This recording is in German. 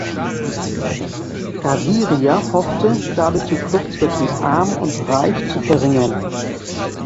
Gaviria hoffte, dadurch die Kluft zwischen Arm und Reich zu verringern.